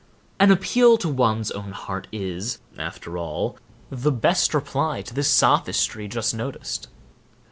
An appeal to one's own heart is, after all, the best reply to the sophistry just noticed.